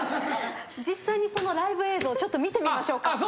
実際にそのライブ映像ちょっと見てみましょうか。